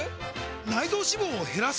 内臓脂肪を減らす！？